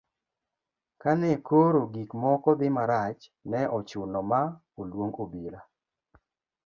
kane koro gik moko dhi marach, ne ochuno ma oluong obila